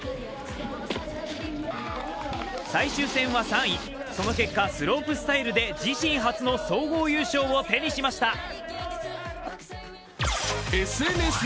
最終戦は３位、その結果スロープスタイルで自身初の総合優勝を手にしました。